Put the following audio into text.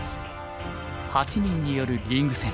８人によるリーグ戦。